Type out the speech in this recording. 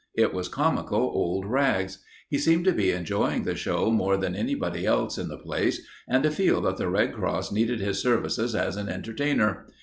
It was comical old Rags. He seemed to be enjoying the show more than anybody else in the place and to feel that the Red Cross needed his services as an entertainer.